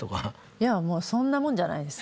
いやもうそんなもんじゃないです。